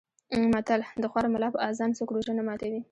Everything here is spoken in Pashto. متل: د خوار ملا په اذان څوک روژه نه ماتوي.